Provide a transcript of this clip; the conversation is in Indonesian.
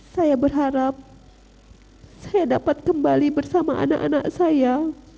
saya berharap saya dapat kembali bersama anak anak saya